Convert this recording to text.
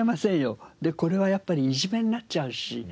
これはやっぱりいじめになっちゃうし。